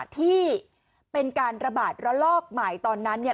ที่เป็นการระบาดระลอกใหม่ตอนนั้นเนี่ย